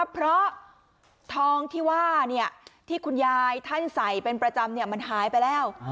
เพราะทองที่ว่าที่คุณยายท่านใส่เป็นประจำมันหายไปแล้ว